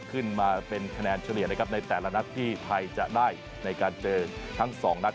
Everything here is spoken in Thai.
ขึ้นมาเป็นคะแนนเฉลี่ยนะครับในแต่ละนัดที่ไทยจะได้ในการเจอทั้งสองนัด